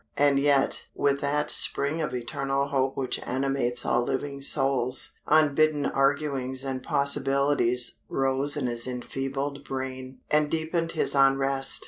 And yet, with that spring of eternal hope which animates all living souls, unbidden arguings and possibilities rose in his enfeebled brain, and deepened his unrest.